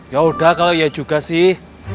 yaudah kalau iya juga sih